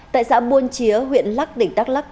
tại xã buôn chía huyện lắc tỉnh đắk lắc